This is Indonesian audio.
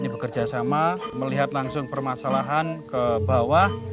bekerja sama melihat langsung permasalahan ke bawah